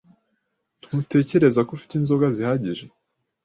Ntutekereza ko ufite inzoga zihagije?